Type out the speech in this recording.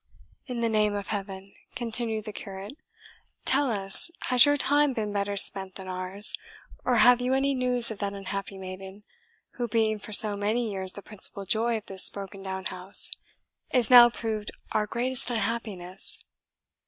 "In the name of Heaven," continued the curate, "tell us, has your time been better spent than ours, or have you any news of that unhappy maiden, who, being for so many years the principal joy of this broken down house, is now proved our greatest unhappiness?